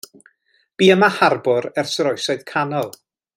Bu yma harbwr ers yr Oesoedd Canol.